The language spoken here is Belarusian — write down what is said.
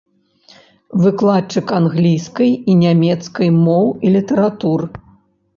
Выкладчык англійскай і нямецкай моў і літаратур.